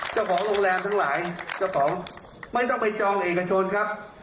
เจ้าของโรงแรมทั้งหลายเจ้าของไม่ต้องไปจองเอกชนครับ